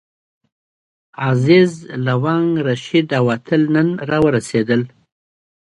عزیز، لونګ، رشید او اتل نن راورسېدل.